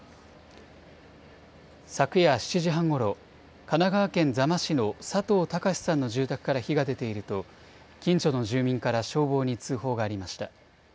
昨夜７時半ごろ神奈川県座間市の佐藤孝さんの住宅から火が出ていると近所の住民から消防に通報がありました。